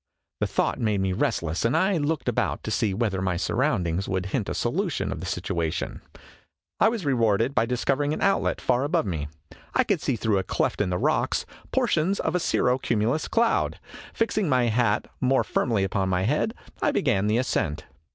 The thought made me rest less, and I looked about to see whether my surroundings would hint a solution of the situation. I was rewarded by discovering an outlet far above me. I could see through a cleft in the rocks portions of a cirro cumulus cloud. Fixing my hat more firmly upon my head, I began the ascent.